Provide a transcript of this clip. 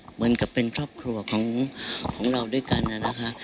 เหมือนกับเป็นครอบครัวของเราด้วยกันนะคะ